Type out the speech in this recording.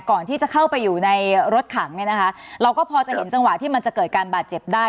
ก่อนที่จะเข้าไปอยู่ในรถขังเนี่ยนะคะเราก็พอจะเห็นจังหวะที่มันจะเกิดการบาดเจ็บได้